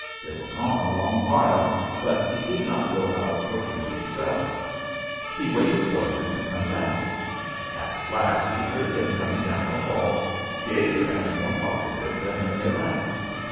They were gone a long while, but he did not go out for food himself; he waited for them to come back. At last he heard them coming down the hall, gayer and more talkative than when they left.